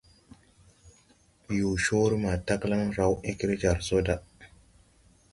Yõõ coore ma taglaŋ raw egre jar so da.